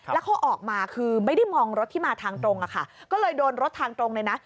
แล้วเขาออกมาคือไม่ได้มองรถที่มาทางตรงอะค่ะก็เลยโดนรถทางตรงเลยนะ